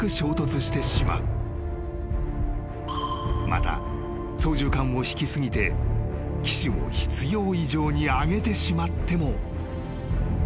［また操縦かんを引き過ぎて機首を必要以上に上げてしまっても］